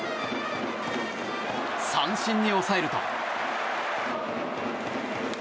三振に抑えると。